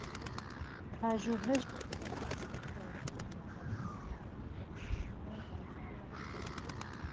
پژوهش او فصل تازهای را در مطالعهی رشد کودکان آغاز کرد.